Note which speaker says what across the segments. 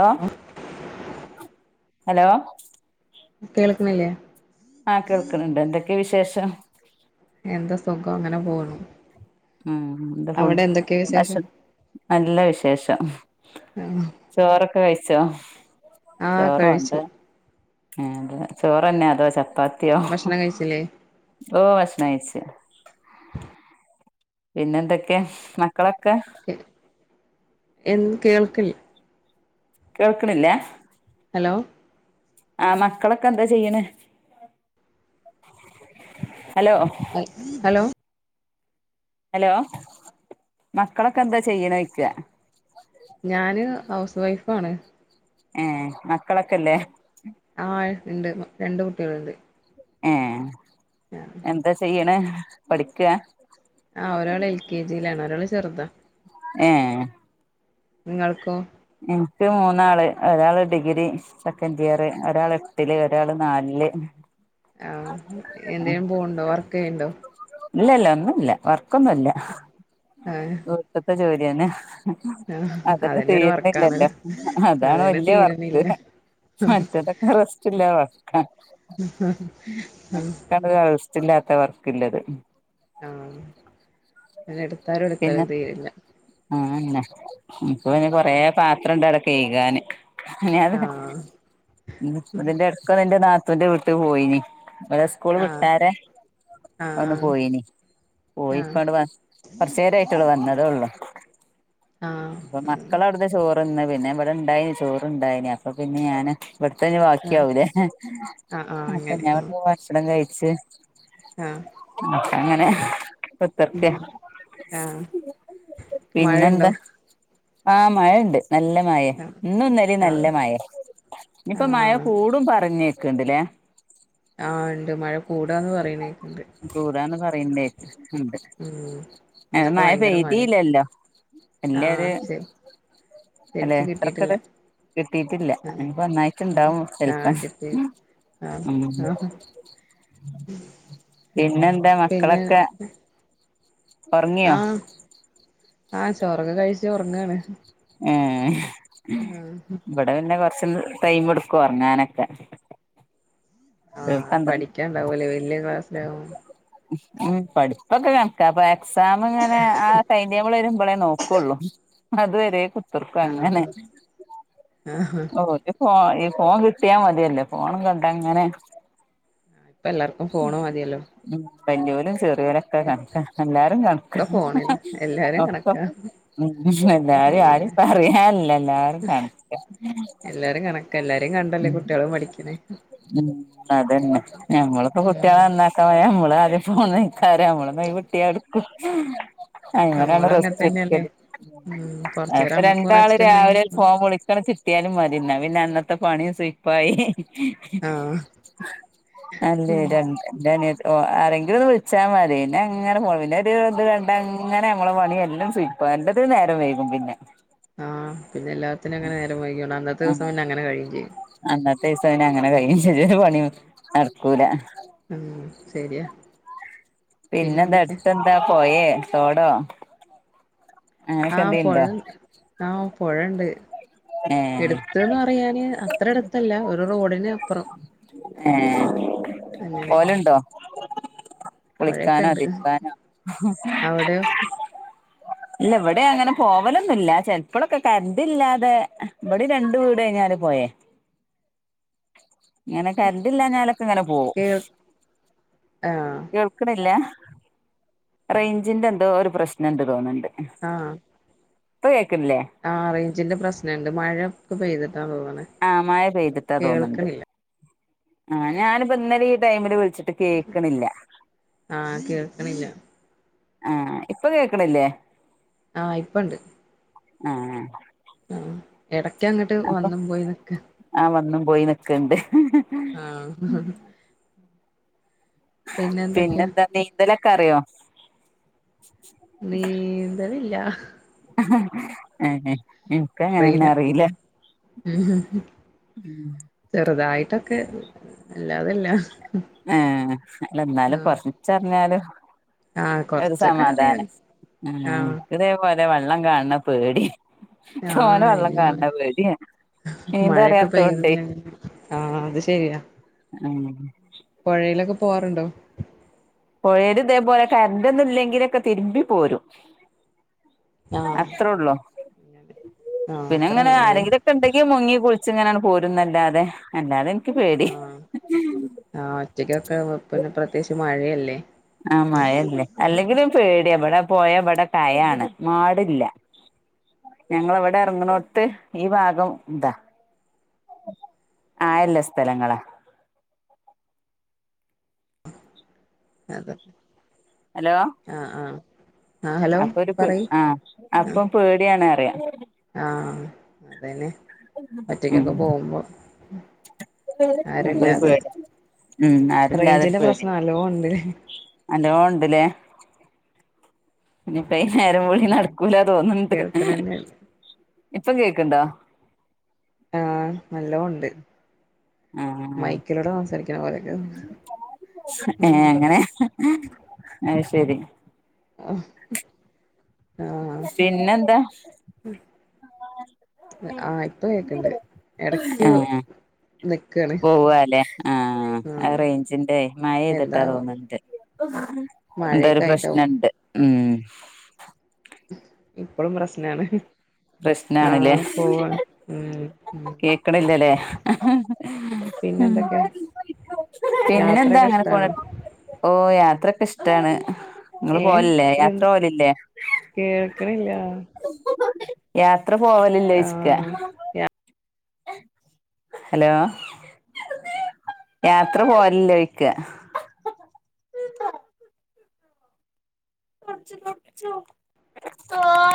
Speaker 1: Hello hello.
Speaker 2: കേള്ക്കിണ്ല്ലേ.
Speaker 1: ആഹ് കേൾക്ക്ണ്ണ്ട് എന്തൊക്കെ വിശേഷം.
Speaker 2: എന്താ സുഖം ങ്ങനെ പോകുന്നു.
Speaker 1: ഉം എന്താ ഫുഡ്
Speaker 2: വിശേഷം
Speaker 1: ഭക്ഷണം നല്ല വിശേഷം.
Speaker 2: ആഹ്
Speaker 1: ചോറൊക്കെ കഴിച്ചോ
Speaker 2: ആഹ്
Speaker 1: ചോറോ
Speaker 2: കഴിച്ചു
Speaker 1: എന്താ. ആഹ് അതെ ചോറന്നെ അതോ ചപ്പാത്തിയോ
Speaker 2: ഭക്ഷണം കഴിച്ചില്ലേ
Speaker 1: ഓഹ്. ഭഷണം കഴച്ച്. പിന്നെ എന്തൊക്കെ മക്കളൊക്കെ.
Speaker 2: എന്ത് കേൾക്കിണില്ല.
Speaker 1: കേൾക്ക്ണ് ല്ലെ
Speaker 2: ഹലോ
Speaker 1: ആഹ് മക്കളൊക്കെ എന്താ ചെയ്യ്ണ് ഹലോ.
Speaker 2: ഹലോ.
Speaker 1: ഹലോ മക്കളൊക്കെ എന്താ ചെയ്യ്ണോയ്ക്ക.
Speaker 2: ഞാന് ഹൗസ് വൈഫാണ്.
Speaker 1: ഏഹ് മക്കളൊക്കെല്ലേ.
Speaker 2: ആഹ് ആഹ് ണ്ട് രണ്ട് കുട്ടികളുണ്ട്.
Speaker 1: ഏഹ്.
Speaker 2: അഹ
Speaker 1: എന്താ ചെയ്യ്ണ് പഠിക്ക.
Speaker 2: ആഹ് ഒരാള് എൽ കെ ജിയിലാണ് ഒരാള് ചെറുതാ.
Speaker 1: ഏഹ്.
Speaker 2: നിങ്ങൾക്കോ?
Speaker 1: ൻക്ക് മൂന്നാള് ഒരാള് ഡിഗ്രി. സെക്കന്ഡ് ഇയർ ഒരാള് എട്ടില് ഒരാള് നാലില്
Speaker 2: ആഹ് എന്തെലും പോണ്ടോ വർക്ക് യ്യ്ണ്ടോ?
Speaker 1: ഇല്ലല്ല ഒന്നുംല്ല വർക്കൊന്നുംല്ല
Speaker 2: ആഹ്
Speaker 1: വീട്ട്ത്ത ജോലിന്നെ.
Speaker 2: ആഹ്
Speaker 1: അതന്നെ
Speaker 2: ഒരു വർക്കാണ്
Speaker 1: തീരുന്നില്ലല്ലോ അതാണ്
Speaker 2: അതന്നെ
Speaker 1: വല്യ വർക്ക്.
Speaker 2: തീരണില്ല
Speaker 1: മറ്റതൊക്കെ റസ്റ്റ്ല്ലാ വർക്ക അ. [unintelligible] റസ്റ്റില്ലാത്ത വർക്കില്ലത്.
Speaker 2: ആഹ് അതെട്ത്താലും എട്ത്താലും തീരില്ല.
Speaker 1: അതന്നെ ഇപ്പ
Speaker 2: ഉം
Speaker 1: പിന്നെ കൊറേ പാത്രണ്ട് അവ്ട കെയ്കാന്. ഞ്ഞാ [unintelligible]
Speaker 2: ആഹ്
Speaker 1: ഇതിൻ്റെട് ക്ക് നിന്റെ നാത്തൂന്റെ വീട്ട് പോയിനി ഒരസ് കൂള്
Speaker 2: ആഹ്
Speaker 1: വിട്ടാരെ ഒന്ന്
Speaker 2: ആഹ്
Speaker 1: പോയീനി പോയി.
Speaker 2: ആഹ്
Speaker 1: ഇപ്പണ്ട് വ കൊറച്ചേരയ്ട്ടൊള്ളു വന്നതൊള്ളു.
Speaker 2: ആഹ് ആഹ്
Speaker 1: അപ്പ മക്കളവ്ട്ന്ന് ചോറ്ന്ന് പിന്നെ ഇവടെണ്ടായിന് ചോറ്ണ്ടായിനി അപ്പൊ പിന്നെ ഞാന്. ഇവട്ത്തഞ്
Speaker 2: ആഹ് ആഹ്
Speaker 1: വാക്ക്യാവുലേ
Speaker 2: ആഹ്
Speaker 1: അപ്പ
Speaker 2: അങ്ങനെ
Speaker 1: ഞാൻ
Speaker 2: ആഹ്
Speaker 1: ഇവട്ന്ന് ഭക്ഷണം കഴിച്.
Speaker 2: ആഹ്
Speaker 1: അങ്ങനെ. തൊക്കെ
Speaker 2: ഉം ആഹ് മഴയുണ്ടോ
Speaker 1: പിന്നെന്താ. ആഹ് മഴണ്ട് നല്ല മയെ
Speaker 2: ആഹ്
Speaker 1: ഇന്നു ഇന്നലിം
Speaker 2: ആഹ്
Speaker 1: നല്ല മയെ. ഇഞ്ഞ്പ്പം മയ
Speaker 2: ആഹ്
Speaker 1: കൂടും പറഞ്ഞേക്ക്ണ്ട്ലേ.
Speaker 2: ആഹ് ഇണ്ട് മഴ കൂടാന്ന് പറയണേക്ക്ണ്ട്.
Speaker 1: കൂടാന്ന് പറയണ്ടേ ഉണ്ട്
Speaker 2: ഉം
Speaker 1: എ
Speaker 2: ഇന്നൊക്കെ
Speaker 1: മയ
Speaker 2: ഭയങ്കര മഴ
Speaker 1: പെയ്തീല്ലല്ലൊ.
Speaker 2: ആഹ് ശരി.
Speaker 1: അല്ലെ
Speaker 2: ശരിക്ക് കിട്ടിയിട്ടില്ല
Speaker 1: അത്രക്ക്ട്. കിട്ടിറ്റില്ല
Speaker 2: ആഹ്
Speaker 1: ഇഞ്ഞ്പ്പ ഒന്നായ്ട്ട്
Speaker 2: ആഹ്
Speaker 1: ഇണ്ടാവൊ
Speaker 2: ആഹ്
Speaker 1: ചെൽപ്പം.
Speaker 2: കിട്ടി ആഹ് ആഹ്.
Speaker 1: പിന്നെന്താ
Speaker 2: പിന്നെ
Speaker 1: മക്കളൊക്കെ. ഒറങ്ങിയോ
Speaker 2: ആഹ് ആഹ് ചോറൊക്കെ കഴിച് ഒറങ്ങാണ്.
Speaker 1: ഏഹ്.
Speaker 2: ഉം.
Speaker 1: ഇവട പിന്നെ കൊറച്ന്ന് ടൈമ്ട്ക്കു ഒർങ്ങാനക്കെ.
Speaker 2: ആഹ് പഠിക്ക്യാണ്ടാവുലേ വല്ല്യ ക്ലാസ്സിലാകും.
Speaker 1: ഉം പഠിപ്പൊക്കെ കൺക്കാ അപ്പൊ എക്സാമ്ങ്ങനെ ആ ടൈം റ്റേബിള് വരുമ്പളേ നോക്കൊള്ളു. അത്‌ വരെ കുത്തർക്കു അങ്ങനെ
Speaker 2: ആഹ് ആഹ്
Speaker 1: ഓല്. ഫോ ഈ ഫോൺ കിട്ട്യാ മത്യല്ലൊ ഫോണും കണ്ടങ്ങനെ.
Speaker 2: ഇപ്പെല്ലാർക്കും ഫോണ് മതിയല്ലോ.
Speaker 1: ഉം വല്ല്യോലും ചെറ്യോലൊ ക്ക കൺക്ക എല്ലാരും കൺക്ക
Speaker 2: ഒക്കെ ഫോണില് എല്ലാരും
Speaker 1: ഒ
Speaker 2: കണക്കാ
Speaker 1: [unintelligible] ഉ
Speaker 2: ഒക്കെ
Speaker 1: എല്ലാരിം ആരിം
Speaker 2: ഫോണില്
Speaker 1: പറയാൻല്ല എല്ലാരും കൺക്കാ.
Speaker 2: കെല്ലാരിം കണ്ടല്ലെ കുട്ട്യളും പഠിക്ക്ണെ.
Speaker 1: ഉം അതന്നെ ഞമ്മള്പ്പ
Speaker 2: ഉം
Speaker 1: കുട്ട്യാളന്നാ ക്കാവയ നമ്മള് ആദ്യം ഫോൺ അയ്ക്കാരം നമ്മള് ഒയിവ്ട്ട്യാ ഇട്ക്കും. അങ്ങനാണ്
Speaker 2: നമ്മളും അങ്ങനെ
Speaker 1: റസ്റ്റ്
Speaker 2: തന്നെയല്ലേ
Speaker 1: ഇട്ക്കല്
Speaker 2: ഉം കൊറച്ചേരം
Speaker 1: എപ്പൊ
Speaker 2: നമ്മക്കും
Speaker 1: രണ്ടാള്
Speaker 2: റെസ്റ്റ് ഉണ്ടെങ്കി
Speaker 1: രാവിലെര് ഫോം വിളിക്കണച്ചെ. ട്ട്യാലും മതി ഇന്ന പിന്നെ അന്നത്തെ പണിം സുയ്പ്പായി.
Speaker 2: ആഹ്
Speaker 1: അല്ലെ ര എൻ്റെ അനിയത് ഓ ആരെങ്കിലൊന്ന് വിൾച്ചാ മതി പിന്നെ അങ്ങനെ ഫോണ് പിന്നെ ഒരു ഇത് കണ്ടങ്ങനെ നമ്മളെ പണി എല്ലും സു സുയ്പ്പ എല്ലത്തിനും നേരം വൈകും പിന്നെ.
Speaker 2: ആഹ് പിന്നെ എല്ലാത്തിനു അങ്ങനെ നേരം വൈക്യോണ്ട് അന്നത്തെ
Speaker 1: ഉം
Speaker 2: ദിവസം പിന്നെ അങ്ങനെ കഴിയും ചെയ്യും.
Speaker 1: അന്നത്തെ ദിവസം പിന്നെ അങ്ങനെ കഴിയും ചെയ്യും ഒരു പണിം നട്ക്കൂല.
Speaker 2: ഉം ശര്യാ.
Speaker 1: പിന്നെന്ത എട്ത്തെന്താ പൊയേ തോടോ. അങ്ങനൊക്കെ
Speaker 2: ആഹ് പുഴ
Speaker 1: എന്തേലുണ്ടോ
Speaker 2: ആഹ് പുഴണ്ട്
Speaker 1: ഏഹ്
Speaker 2: എടുത്ത്ന്ന് പറയാന് അത്ര എടുത്തല്ല ഒരു റോഡിന് അപ്പുറം
Speaker 1: ഏഹ്
Speaker 2: അങ്ങനെ
Speaker 1: പോവലുണ്ടോ കുളിക്കാനോ തിരിബാ നോ
Speaker 2: അവിടെയൊ?
Speaker 1: ഇല്ല ഇവിടെ അങ്ങനെ പോവലൊന്നുല്ല ചെലപ്പോഴൊക്കെ കരറ്റ് ഇല്ലാതെ ഇവിടെ രണ്ട് വീട് കഴിഞ്ഞാല് പോയ ങ്ങനെ കര ണ്ട്ല്ല ഞാലൊക്കെ ഇങ്ങനെ പോകും
Speaker 2: കേൾ ആഹ്
Speaker 1: കേൾക്കണില്ല റേഞ്ചിന്റെ എന്തോ ഒരു പ്രശ്നം ണ്ട് തോന്നണ്ട്
Speaker 2: ആഹ്
Speaker 1: പ്പ കേക്കിൻല്ലേ
Speaker 2: ആ റേഞ്ചിന്റെ പ്രശ്നണ്ട് മഴയൊക്കെ പെയ്തിട്ടാ തോന്ന്ണെ
Speaker 1: ആഹ് മയ പെയ്തിട്ടാ തോന്നുണ്ട് ആഹ് ഞാനിപ്പോ ഇന്നലെ ഈ ടൈമില് വിളിച്ചിട്ട് കേൾക്കണില്ല
Speaker 2: ആഹ്കേൾക്കണില്ല
Speaker 1: ആഹ് ഇപ്പ കേക്കണ്ല്ലേ
Speaker 2: ആഹ് ഇപ്പണ്ട്
Speaker 1: ഉം
Speaker 2: ആഹ് എടയ്ക്കങ്ങോട്ട് വന്നും പോയിനി ക്ക
Speaker 1: ആഹ് വന്നും പോയി നിക്ക്‌ണ്ട്
Speaker 2: ആഹ് അഹ് പിന്നെ എന്തൊക്കെയാ
Speaker 1: പിന്നെന്താ നീന്തലൊക്കെറിയോ
Speaker 2: നീന്തലില്ല
Speaker 1: ഏഹ്ഇൻക്ക്ങ്ങനെന്നെ അറിയില്ല
Speaker 2: ഉംഹ് ഉം
Speaker 1: ഉംഹ് ഉംഹ്
Speaker 2: ചെറുതായിട്ടൊക്കെ ല്ലാതല്ല
Speaker 1: ഏഹ് ല്ല എന്നാലും കൊറിച്ചീ ച്ചറിഞ്ഞാാല്
Speaker 2: ആഹ് കൊറച്ചൊക്കെ
Speaker 1: ഒരുസമാധാന
Speaker 2: അറിയാം
Speaker 1: ആഹ് വടതേപോലെ വെള്ളം കാണണ പേടി തോന
Speaker 2: ആഹ്
Speaker 1: വെള്ളം
Speaker 2: ഇനി മ
Speaker 1: കാണണ പേടിയ
Speaker 2: മഴയൊക്കെ പെയതഞ്ഞ ആഹ അത് ശരിയാ
Speaker 1: ഉംഹ്
Speaker 2: പൊയലൊക്കെ പോകാറുണ്ടോ
Speaker 1: പൊയെല്തേപോലെ കരണ്ടൊന്നും ഇല്ലെങ്കിലൊക്കെ തിരുമ്പി പോരും
Speaker 2: ആഹ്
Speaker 1: അത്രൊള്ളൂ
Speaker 2: ആഹ്
Speaker 1: പിന്നെങ്ങനെ
Speaker 2: അത്രോള്ളുലേ
Speaker 1: ആരെങ്കിലൊക്കെ ഇണ്ടെങ്കി മുങ്ങി കുളിച്ച്ങ്ങനെ പോരുന്നല്ലാതെ അല്ലാതെ എനിക്ക് പേടി
Speaker 2: ആഒറ്റക്കൊക്കെ അപന്നെ പ്രത്യേകിച്ച് മഴല്ലേ
Speaker 1: ആഹ മയല്ലേ അല്ലെങ്കിലും പേടിയ വിടെ പൊയ വിടെ കയാണ് മാടില്ല ഞങ്ങളവിടെറങ്ങണോട്ത്ത് ഈ ഭാഗം ന്താ ആയല്ല സ്ഥലങ്ങള
Speaker 2: [unintelligible]
Speaker 1: ഹലോ
Speaker 2: ആഹ് ആഹ് ആഹ് ഹലോ
Speaker 1: അപ്പൊ ഒരു പ
Speaker 2: പറയ്
Speaker 1: ആ അപ്പം പേടിയാണ് റിയാ
Speaker 2: ആഹ് അതെന്നെ ഒറ്റക്കൊക്കെ പോകുമ്പോ
Speaker 1: അപ്പത്
Speaker 2: ആരുല്ലാതെ
Speaker 1: പേടിയാ ഉം
Speaker 2: റേഞ്ചിന്റെ
Speaker 1: ആരില്ലാതൊരുപേടിയാ
Speaker 2: പ്രശ്നം നല്ലോ ഉണ്ട്
Speaker 1: നല്ലൊണ്ട്ലേ പിന്നെപ്പ നേരം പോലെ നടക്കൂല തോന്നുണ്ട്
Speaker 2: കേൾക്കണന്നെ
Speaker 1: ഇപ്പം കേക്കുണ്ടോ
Speaker 2: ആഹ് നല്ലോണ്ട്
Speaker 1: ആ
Speaker 2: മൈക്കിലൂടെ സംസാരിക്കുന്ന പോലെക്കെ ഉം ഉം
Speaker 1: ഏഹ് ഹേ ആഹ് ശരി
Speaker 2: ആഹ് ആ
Speaker 1: പിന്നെന്താ
Speaker 2: ഹ് ആഹ് ഇപ്പ കേക്ണ്ട് എടക്ക് നിക്കാണ്
Speaker 1: ഓവാല്ലെ ആഹ് ആഹ് റേഞ്ചിന്റെ മയയ്തിട്ടാ
Speaker 2: എന്താവോ
Speaker 1: തോന്നണ്ട് എന്തൊരു
Speaker 2: മഴയൊക്കെ ആയിട്ടാവും
Speaker 1: പ്രശ്നണ്ട് ഉം
Speaker 2: ഇപ്പളും പ്രശ്നാണ്
Speaker 1: പ്രശ്നാണ്ല്ലേ
Speaker 2: ആഹ് പോവ ഉം ഉം
Speaker 1: കേക്കണില്ലലേ
Speaker 2: പിന്നെ
Speaker 1: ഉം
Speaker 2: എന്തൊക്കെ
Speaker 1: പിന്നെ എന്താ
Speaker 2: യാത്രയൊക്കെ
Speaker 1: അങ്ങനെ പോ
Speaker 2: ഇഷ്ടാണോ
Speaker 1: ഓ യാത്രൊക്കെ ഇഷ്ടാണ് ങ്ങള്
Speaker 2: ഏഹ്
Speaker 1: പോഅല്ലേ
Speaker 2: എൻ
Speaker 1: യാത്ര പോവലില്ലേ
Speaker 2: കേൾക്ക്ണില്ല
Speaker 1: യാത്ര പോവലല്ലേ സ്ക
Speaker 2: ആഹ്
Speaker 1: ഹലോ യാത്ര പോവല്ലേയ്ക്ക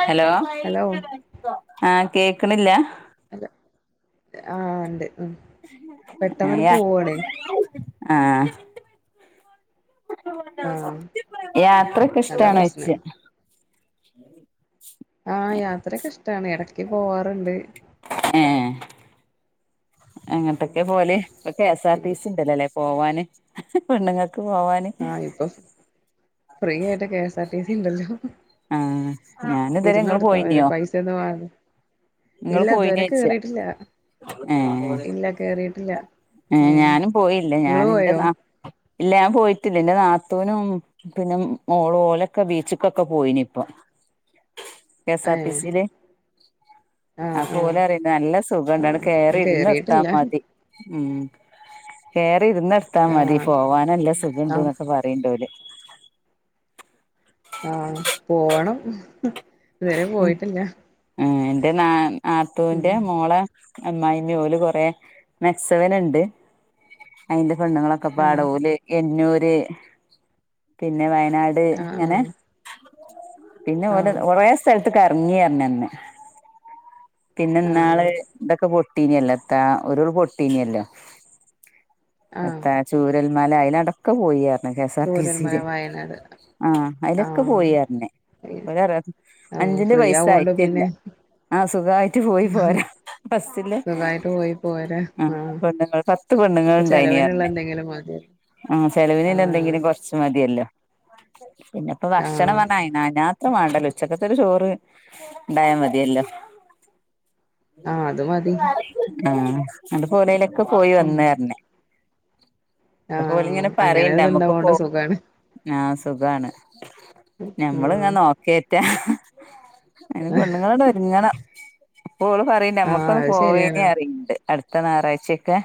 Speaker 1: ഹലോ
Speaker 2: ഹലോ
Speaker 1: ആഹ് കേക്ണില്ല
Speaker 2: അല്ല ആഹ് ഒണ്ട്
Speaker 1: അയാ ആഹ്
Speaker 2: ആഹ്
Speaker 1: യാത്രക്കെ
Speaker 2: അതാ
Speaker 1: ഇഷ്ട്ടാണോയ്ച്ച
Speaker 2: പ്രശ്നം ആഹ് യാത്രക്കെ ഇഷ്ടാണ് ഇടക്ക് പോവാറുണ്ട്.
Speaker 1: ഏഹ് എങ്ങട്ടൊക്കെ പോവല് ഇപ്പൊ കെ എസ് ആർ ടിസി ണ്ടല്ലോല്ലേ പോവാന് പെണ്ണുങ്ങക്ക് പോവാൻ
Speaker 2: ആഹ് ഇപ്പൊ ഫ്രീ ആയിട്ട് K S R T C ണ്ടല്ലോ
Speaker 1: ആഹ് ഞാനിതുവരെ
Speaker 2: ഇരുന്ന്
Speaker 1: ഇങ്ങള്
Speaker 2: കൊടുത്ത മതിയല്ലോ
Speaker 1: പോയിനിയോ
Speaker 2: പൈസ ഒന്നും വെ
Speaker 1: ഇങ്ങള്
Speaker 2: ഇല്ല ഇതുവരെ
Speaker 1: പോയിനോയ്ച്ച
Speaker 2: കേറിട്ടില്ല
Speaker 1: ഏഹ്
Speaker 2: ഇല്ല കേറിയിട്ടില്ല
Speaker 1: ഏഹ്
Speaker 2: ഉം
Speaker 1: ഞാനും പോയില്ല
Speaker 2: ഇങ്ങള്
Speaker 1: ഞാനെന്റെ
Speaker 2: പോയോ
Speaker 1: നാ ഇല്ല ഞാൻ പോയിട്ടില്ല എന്റെ നാത്തൂനും പിന്നും മോള് ഒലൊക്കെ ബീച്ചിക്കൊക്കെ പോയിനിപ്പ കെ എസ്
Speaker 2: ഏ
Speaker 1: ആർ ടി സിയില്
Speaker 2: ആഹ് ആഹ്
Speaker 1: ആപോലറിണ്ട് നല്ല സുഖംണ്ട് അട്
Speaker 2: ആഹ്
Speaker 1: കേറി
Speaker 2: ഞാൻ
Speaker 1: ഇരുന്നൊടുത്ത
Speaker 2: കേറിയിട്ടില്ല
Speaker 1: മതി ഉം കേറി ഇരുന്നിടുത്താ മതി
Speaker 2: ആഹ്
Speaker 1: പോവാനല്ല സുഖണ്ട്
Speaker 2: ആഹ്
Speaker 1: ന്നൊക്കെ പറിണ്ട് ഓല്
Speaker 2: ആഹ് പോവണം
Speaker 1: ഉം ആഹ് എന്റെ നാ നാത്തൂന്റ
Speaker 2: ഉം
Speaker 1: മോളെ അമ്മായിമ്മ ഓല് കൊറെ മെക്സവൻ ണ്ട് അയിന്റെ പെണ്ണുങ്ങളൊ
Speaker 2: ആഹ്
Speaker 1: ക്കെപ്പാടെ ഓല് എഞ്ഞൂര് പിന്നെ വയനാട്
Speaker 2: ആഹ്
Speaker 1: ഇങ്ങനെ പിന്നെ
Speaker 2: ആഹ്
Speaker 1: ഓല്
Speaker 2: ആഹ്
Speaker 1: കൊറെ സ്ഥലത് കർങ്ങി അർഞന്ന്
Speaker 2: ആഹ്
Speaker 1: പിന്നെന്നാള് ഇതൊക്കെ പൊട്ടീഞല്ലോ താ ഉരുൾ പൊട്ടീഞല്ലോ
Speaker 2: ആഹ്
Speaker 1: എത്ത ചൂരൽമല ആയിലാട്ടൊ ക്കെ പോയി അർഞ് K S R T
Speaker 2: Chooralmala
Speaker 1: സിയില്
Speaker 2: വയനാട്
Speaker 1: ആഹ് അയിലൊക്കെ
Speaker 2: ആഹ്
Speaker 1: പോയിയാർഞ് ഒര് പറയാ
Speaker 2: ആഹ്
Speaker 1: അഞ്ചിന്റെ
Speaker 2: ഫ്രീ
Speaker 1: പൈസ
Speaker 2: ആവോണ്ട്
Speaker 1: ആയിട്ടില്ല
Speaker 2: പിന്നെ
Speaker 1: ആഹ് സുഖവായിട്ട് പോയി പോരാ ബസ്സിൽ
Speaker 2: സുഖായിട്ട് പോയി പോരാ
Speaker 1: ആഹ് പെണ്ണുങ്ങള് പത്ത്
Speaker 2: നമുക്ക്
Speaker 1: പെണ്ണുങ്ങളുണ്ടായിനി
Speaker 2: ചെലവിനുള്ള
Speaker 1: പറഞ്ഞെ
Speaker 2: എന്തെങ്കിലും മതി
Speaker 1: ആഹ് ചെലവിന് പിന്നെ
Speaker 2: ആഹ്
Speaker 1: എന്തെങ്കിലും കൊറച് മതിയല്ലോ പിന്നെപ്പോ ഭക്ഷണം
Speaker 2: ആഹ്
Speaker 1: പറഞ്ഞ അ അതിനത്ത് ഇപ്പ മാണ്ട ഉച്ചക്കത്തരു ചോറ് ഇണ്ടായാൽ മതിയല്ലോ
Speaker 2: ആഹ് അത് മതി
Speaker 1: ആഹ് അന്റെ പുരയിലൊക്കെ പോയി
Speaker 2: ഉം
Speaker 1: വന്ന് അറിഞ് അപ്പ ഓല്
Speaker 2: ആഹ്
Speaker 1: ഇങ്ങനെ
Speaker 2: അങ്ങനെ
Speaker 1: പറയിണ്ട് നമ്മുക്ക് പോ
Speaker 2: ഇത്ണ്ടാവോണ്ട സുഖാണ്
Speaker 1: ആഹ് സുഖാണ് ഞമ്മളിങ്ങ
Speaker 2: ആഹ്
Speaker 1: നോക്കേയ്റ്റാ അയിന് പെണ്ണുങ്ങളോന്ന് ഒരുങ്ങണം അപ്പോ ഓള് പറയിണ്ട്
Speaker 2: ആഹ്
Speaker 1: നമ്മുക്കൊന്ന്
Speaker 2: അത് ശരിയാണ്
Speaker 1: പോവേനി അറിയണ്ട് അടുത്ത ഞായറാഴ്‌ച്ചയൊക്കെ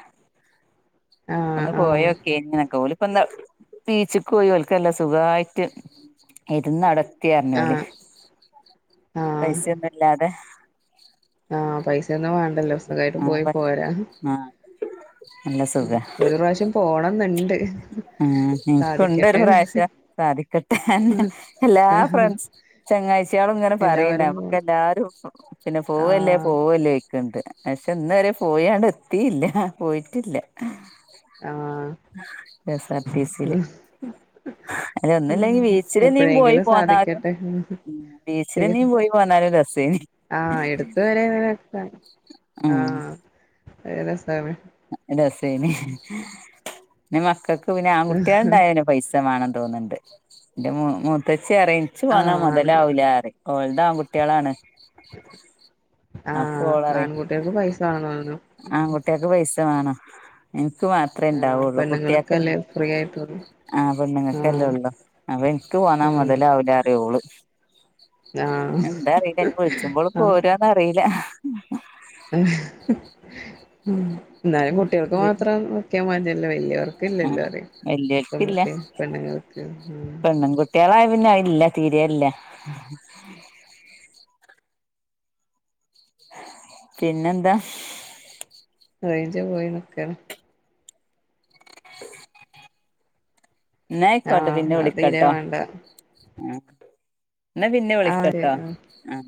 Speaker 2: ആഹ്
Speaker 1: ഒന്ന്
Speaker 2: ആഹ്
Speaker 1: പോയോക്കെനി ന്നൊക്കെ ഓല് ഇപ്പ എന്താ ബീച്ചിക്ക് പോയി ഓൽക്കല്ല സുഖവായിട്ട് ഇരുന്നട കത്തിറിഞ്ഞോല്
Speaker 2: ആഹ് ആഹ്
Speaker 1: പൈസ്യോന്നില്ലാതെ
Speaker 2: ആഹ് പൈസ ഒന്നും വേണ്ടല്ലോ സുഗായിട്ട് പോയി
Speaker 1: ആഹ്
Speaker 2: പോരാ
Speaker 1: ആഹ് നല്ല
Speaker 2: ഉം
Speaker 1: സുഖാ
Speaker 2: ഒരു പ്രാവശ്യം പോണന്നുണ്ട്
Speaker 1: ഉം എനിക്കുണ്ട് ഒരു പ്രാവശ്യം സാധിക്കട്ടെ എല്ലാ ഫ്രണ്ട്സ് ചെങ്ങാഴ്ചയാളും ഇങ്ങനെ പറയണ്ട
Speaker 2: എല്ലാവരും പോ
Speaker 1: നമുക്ക് എല്ലാരും പിന്നെ പോവല്ലേ
Speaker 2: ആഹ്
Speaker 1: പോവല്ലേ ണ്ട് പക്ഷെ ഇന്ന വരെ പോയാണ്ട് എത്തിയില്ല പോയിട്ടില്ല
Speaker 2: ആഹ്
Speaker 1: കെഎസ് ആർ റ്റിസില് അത് ഒന്നുംമില്ലെങ്കിൽ ബീച്ചില് നീ പോയി
Speaker 2: എപ്പഴെങ്കിലും
Speaker 1: പോന്നാലും
Speaker 2: സാധിക്കട്ടെ
Speaker 1: ഉം ബീച്ചിലെ നീ പോയി പോന്നാലും രസെനി
Speaker 2: ആഹ് എടുത്ത് വരെ രസാ
Speaker 1: ഉം
Speaker 2: അയ് രസാണ്
Speaker 1: നല്ല രസേനി പിന്നെ മക്കൾക്ക് പിന്നെ ആൺകുട്ടികള്
Speaker 2: ആഹ്
Speaker 1: ഉണ്ടായിന് പൈസ മാണെന്ന് തോന്നുണ്ട് എന്റെ മുത്തേച്ചി പറയും ഏച്ച് വന്നാല്
Speaker 2: ആണ്
Speaker 1: മുതലാവുലാ പറയും ഓളത് ആണ് കുട്ട്യാളാണ് അപ്പ
Speaker 2: ആഹ്
Speaker 1: ഓള്റയൂം
Speaker 2: ആൺകുട്ടികൾക്ക് പൈസ വേണം തോന്നുന്നു ഉം
Speaker 1: ആൺകുട്ട കുട്ടിയക്ക് പൈസ വേണോ എനിക്ക് മാത്രെ
Speaker 2: ആഹ്
Speaker 1: ഇണ്ടാവുള്ളൂ കുട്ടിയക്കെ
Speaker 2: പെണ്ണുങ്ങൾക്കല്ലേ ഫ്രീ ആയിട്ടുള്ളൂ
Speaker 1: ആഹ് പെണ്ണുങ്ങൾക്കല്ലേ
Speaker 2: ആഹ്
Speaker 1: ഉള്ളു അപ്പൊ ഇൻക്ക് പോന്നാ
Speaker 2: ഉം
Speaker 1: മുതലാവൂല അറിയും ഓള്
Speaker 2: ആഹ്
Speaker 1: എന്താ അറിയില്ല ഇ വിളിച്ച്പോള്
Speaker 2: ആഹ്
Speaker 1: പോരന്നറിയില്ല
Speaker 2: എന്നാലും കുട്ടികൾക്ക് മാത്രം നോക്കിയാൽ മതിയല്ലോ വല്യ
Speaker 1: ആ
Speaker 2: ഇല്ല്ല്ലാറിയും
Speaker 1: വല്യോർക്കില്ല
Speaker 2: പെൺകുട്ടിയ പെണ്ണുങ്ങൾക്ക് ഉം
Speaker 1: കുട്ട്യാളായ പിന്നെ അയില്ല തീരെല്ല [inaudible] പിന്നെന്താ
Speaker 2: റേയ്ഞ്ച് പോയി നിക്കാണ്
Speaker 1: ഇന്നായിക്കോട്ടെ പിന്നെ
Speaker 2: ആഹ് അത് തീരെ
Speaker 1: വിളിക്കാട്ടോ
Speaker 2: വേണ്ട
Speaker 1: ആഹ് എന്നാ പിന്നെ വിളിക്കട്ടോ
Speaker 2: ആഹ്
Speaker 1: ആഹ്